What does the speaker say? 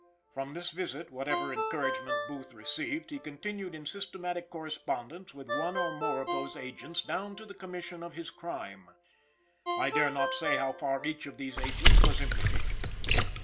From this visit, whatever encouragement Booth received, he continued in systematic correspondence with one or more of those agents down to the commission of his crime. I dare not say how far each of these agents was implicated.